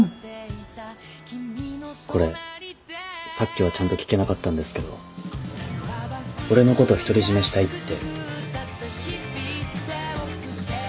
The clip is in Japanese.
これさっきはちゃんと聞けなかったんですけど俺のこと独り占めしたいって。